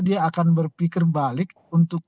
dia akan berpikir balik untuk